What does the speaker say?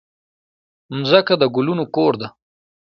مځکه د ګلونو کور ده.